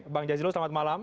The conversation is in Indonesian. bang jazilul selamat malam